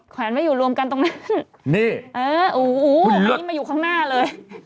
แวนไว้อยู่รวมกันตรงนั้นนี่เอออันนี้มาอยู่ข้างหน้าเลย